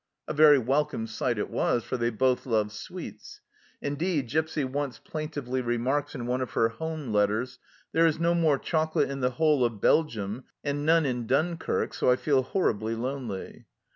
A very welcome sight it was, for they both loved sweets ; indeed, Gipsy once plaintively remarks in one of her home letters, " There is no more chocolate in the whole of Belgium, and none in Dunkirk, so I feel horribly lonely."